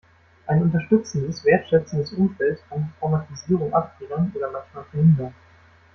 Ein unterstützendes, wertschätzendes Umfeld kann die Traumatisierung abfedern oder manchmal verhindern.